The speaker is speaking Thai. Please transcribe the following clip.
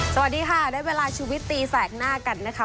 สวัสดีค่ะได้เวลาชุวิตตีแสกหน้ากันนะคะ